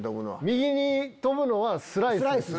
右に飛ぶのはスライス。